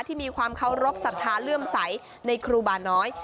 ที่มีความเคารพสัทธาเลื่อมใสในครูบาน้อย